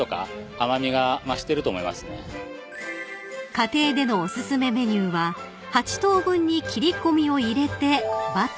［家庭でのお薦めメニューは８等分に切り込みを入れてバターを載せ